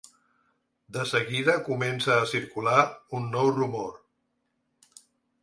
De seguida comença a circular un nou rumor.